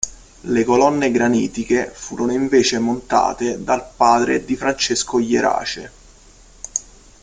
Le colonne granitiche furono invece montate dal padre di Francesco Jerace.